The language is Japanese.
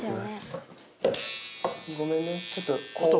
ごめんね。